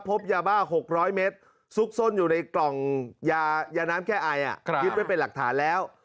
พบยาบ้า๖๐๐เมตรซุกซ่อนอยู่ในกล่องยาน้ำแก้ไอยึดไว้เป็นหลักฐานแล้ว